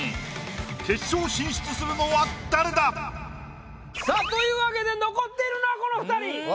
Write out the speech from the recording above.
決勝進出するのは誰だ⁉さあというわけで残っているのはこの二人。